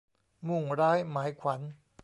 มุ่งร้ายหมายขวัญ